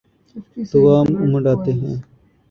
تو عوام امنڈ آتے ہیں۔